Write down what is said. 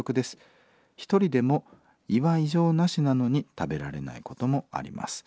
１人でも胃は異常なしなのに食べられないこともあります。